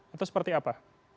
atau seperti apa